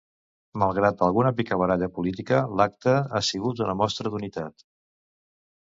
Malgrat alguna picabaralla política, l'acte ha sigut una mostra d'unitat.